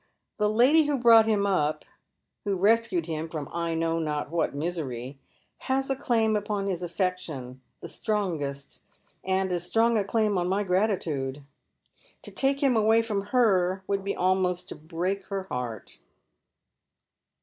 The lady who brought him up — who rescued him from I know not what misery — has a claim upon his affection, the strongest, and as strong a claim on my gratitude. To take him away fi'om her would be almost to break her heart."